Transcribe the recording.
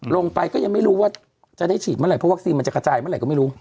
ก็ยังไม่รู้ว่าจะได้ฉีดเมื่อไหเพราะวัคซีนมันจะกระจายเมื่อไหร่ก็ไม่รู้